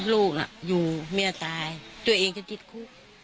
ลูกอยู่แม่ตายตัวเองก็จิตคุก